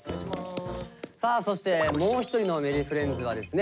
さあそしてもう一人のＭｅｒｒｙｆｒｉｅｎｄｓはですね